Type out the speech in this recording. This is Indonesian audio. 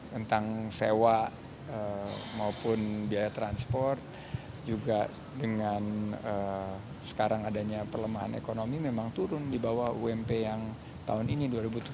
tentang sewa maupun biaya transport juga dengan sekarang adanya perlemahan ekonomi memang turun di bawah ump yang tahun ini dua ribu tujuh belas